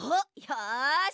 よし。